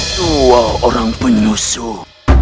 tua orang penyusup